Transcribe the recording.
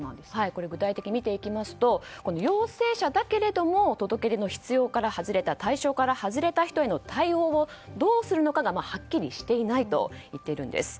これは具体的に見ていきますと陽性者だけれども届け出の必要から外れた対象から外れた人への対応をどうするかがはっきりしていないと言っているんです。